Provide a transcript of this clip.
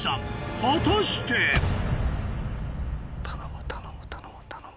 果たして⁉頼む頼む頼む。